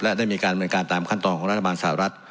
และได้มีการดำเนินการตามขั้นตอนของรัฐบาลสหรัฐ